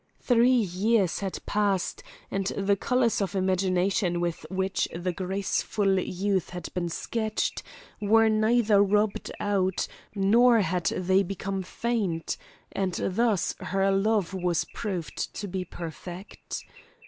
Three years had passed, and the colours of imagination with which the graceful youth had been sketched, were neither rubbed out, nor had they become faint, and thus her love was proved to be perfect.